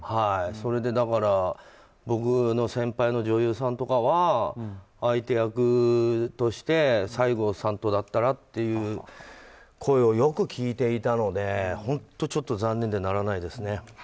それで僕の先輩の女優さんとかは相手役として西郷さんとだったらという声をよく聞いていたので本当にちょっと残念でならないですね。